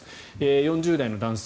４０代の男性